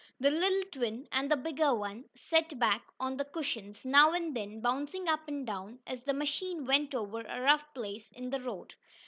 The little twin, and the bigger one, sat back on the cushions, now and then bouncing up and down as the machine went over a rough place in the road.